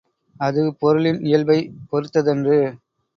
அது பொருளின் இயல்பை பொறுத்ததன்று.